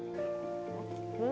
kami sudah berjalan jalan